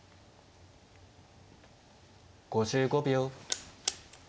５５秒。